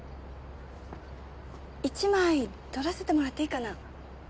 一枚撮らせてもらっていいかな？